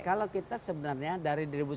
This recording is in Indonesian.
kalau kita sebenarnya dari dua ribu sebelas ya bupati